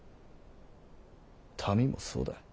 民もそうだ。